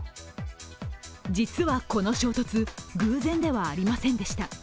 実はこの衝突、偶然ではありませんでした。